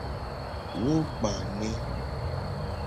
Wo gba ne.